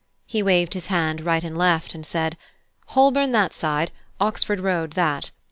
He waved his hand right and left, and said, "Holborn that side, Oxford Road that.